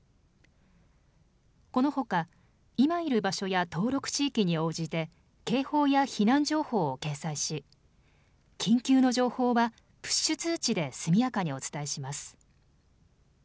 このほか、今いる場所や登録地域に応じて警報や避難情報を掲載し緊急の情報はプッシュ通知で速やかにお伝えします。